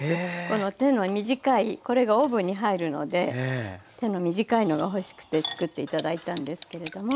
この手の短いこれがオーブンに入るので手の短いのが欲しくて作って頂いたんですけれども。